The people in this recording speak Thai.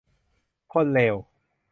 คนเลว